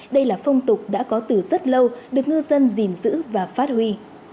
đây là phong tục đã có từ rất lâu được ngư dân gìn giữ và phát huy